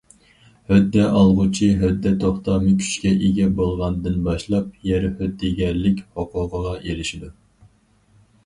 ھۆددە ئالغۇچى ھۆددە توختامى كۈچكە ئىگە بولغاندىن باشلاپ يەر ھۆددىگەرلىك ھوقۇقىغا ئېرىشىدۇ.